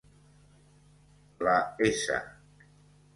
La S